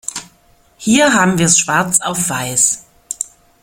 Hier haben wir es schwarz auf weiß.